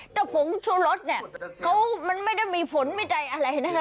แต่ผงชูรสเนี่ยเขามันไม่ได้มีผลมีใจอะไรนะคะ